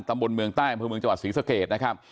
สมบุลเมืองใต้เมืองจังหวัดศรีสเกษนะครับ